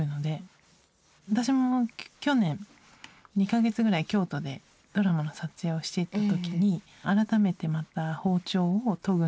私も去年２か月ぐらい京都でドラマの撮影をしていた時に改めてまた包丁を研ぐのを習いに行ったんですね。